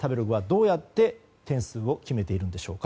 食べログはどうやって点数を決めているのか